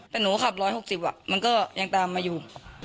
แต่หนูขับ๑๖๐เมตรอ่ะมันก็ยังตามมาอยู่